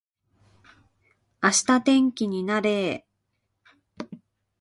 明日天気になれー